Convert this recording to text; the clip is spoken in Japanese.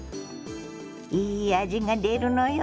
いい味が出るのよ。